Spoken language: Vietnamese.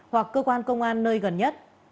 hoặc cơ quan công an nơi gần nhất